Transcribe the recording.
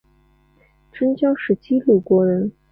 春秋时期鲁国人。